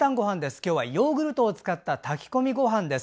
今日はヨーグルトを使った炊き込みごはんです。